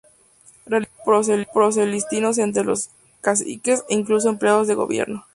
Realizó proselitismo entre los caciques e incluso empleados de gobierno.